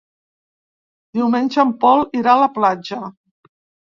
Diumenge en Pol irà a la platja.